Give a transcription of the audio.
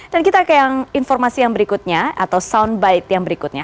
dan kita ke informasi yang berikutnya atau soundbite yang berikutnya